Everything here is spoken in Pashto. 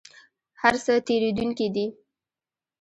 هر څه تیریدونکي دي